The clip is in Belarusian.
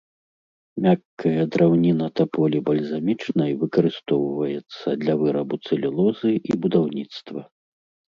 Мяккая драўніна таполі бальзамічнай выкарыстоўваецца для вырабу цэлюлозы і будаўніцтва.